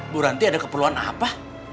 bu ranti ada keperluan apa